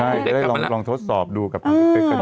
ใช่จะได้ลองทดสอบดูกับพี่เป๊กกันดี